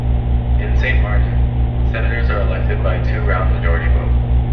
In Saint-Martin, senators are elected by a two round majority vote.